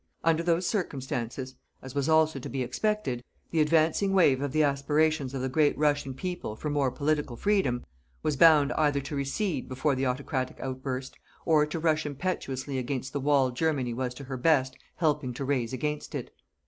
Under those circumstances as was also to be expected the advancing wave of the aspirations of the great Russian people for more political freedom, was bound either to recede before the autocratic outburst, or to rush impetuously against the wall Germany was to her best helping to raise against it.